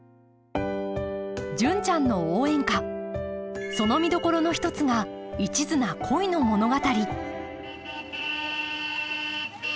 「純ちゃんの応援歌」その見どころの一つが一途な恋の物語